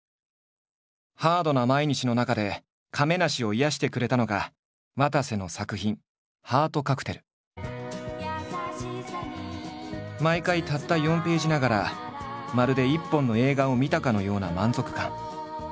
ハードな毎日の中で亀梨を癒やしてくれたのがわたせの作品毎回たった４ページながらまるで一本の映画を見たかのような満足感。